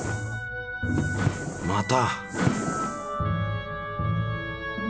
また！